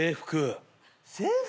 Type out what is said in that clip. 制服。